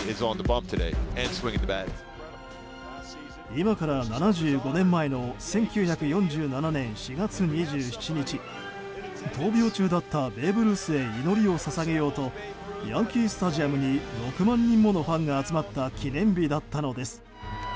今から７５年前の１９４７年４月２７日闘病中だったベーブ・ルースへ祈りを捧げようとヤンキー・スタジアムに６万人ものファンが集まった記念日だったのです。